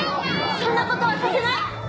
そんなことはさせない！